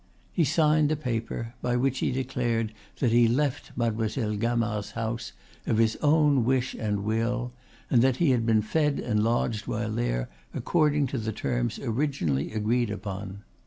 He signed the paper, by which he declared that he left Mademoiselle Gamard's house of his own wish and will, and that he had been fed and lodged while there according to the terms originally agreed upon.